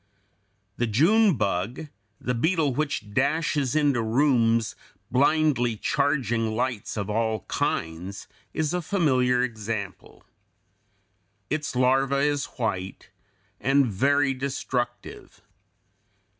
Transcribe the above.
] The June bug, the beetle which dashes into rooms, blindly charging lights of all kinds, is a familiar example. Its larva is white and very destructive.